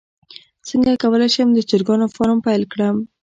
څنګه کولی شم د چرګانو فارم پیل کړم